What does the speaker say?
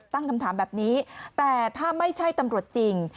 ตั้งคำถามแบบนี้แต่ถ้าไม่ใช่ตำรวจจริง